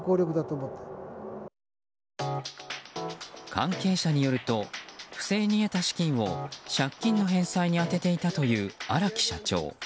関係者によると不正に得た資金を借金の返済に充てていたという荒木社長。